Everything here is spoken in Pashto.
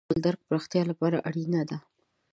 سوله د پوهې، عقل او درک پراختیا لپاره اړینه ده.